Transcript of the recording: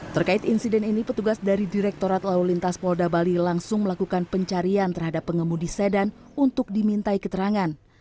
terkait insiden ini petugas dari direktorat lalu lintas polda bali langsung melakukan pencarian terhadap pengemudi sedan untuk dimintai keterangan